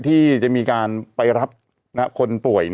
ที่จะมีการไปรับคนป่วย